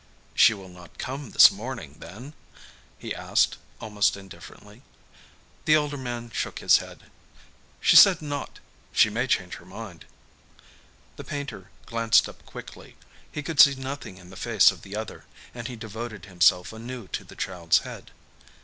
"She will not come this morning, then?" he asked almost indifferently. The older man shook his head. "She said not. She may change her mind." The painter glanced up quickly. He could see nothing in the face of the other, and he devoted himself anew to the child's head.